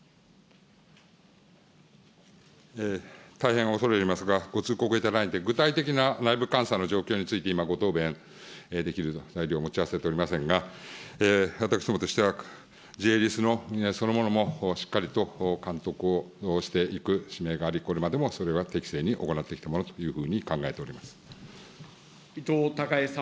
大変恐れ入りますが、ご通告いただいて、具体的な内部監査の状況について今ご答弁できる材料を持ち合わせておりませんが、私どもとしては、ＪーＬＩＳのそのものもしっかりと監督をしていく使命があり、これまでも、それは適正に行ってきたものというふうに考えておりま伊藤孝恵さん。